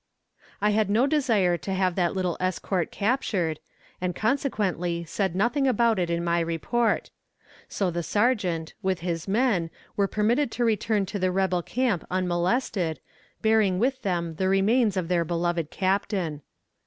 I had no desire to have that little escort captured, and consequently said nothing about it in my report; so the sergeant, with his men, were permitted to return to the rebel camp unmolested, bearing with them the remains of their beloved captain.